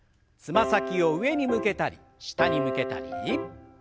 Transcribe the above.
つま先を上に向けたり下に向けたり。